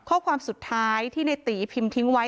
ข้อความสุดท้ายที่ในตีพิมพ์ทิ้งไว้